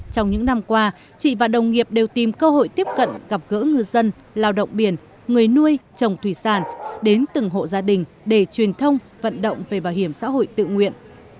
trong những năm qua chị và đồng nghiệp đều tìm cơ hội tiếp cận gặp gỡ ngư dân lao động biển người nuôi trồng thủy sản đến từng hộ gia đình để truyền thông vận động về bảo hiểm xã hội tự nguyện